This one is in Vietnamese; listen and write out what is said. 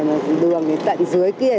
như thế này đường thì tận dưới kia